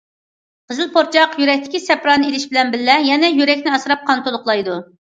قىزىل پۇرچاق يۈرەكتىكى سەپرانى ئېلىش بىلەن بىللە، يەنە يۈرەكنى ئاسراپ قان تولۇقلايدۇ.